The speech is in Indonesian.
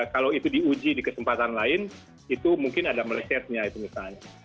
kalau itu diuji di kesempatan lain itu mungkin ada melesetnya itu misalnya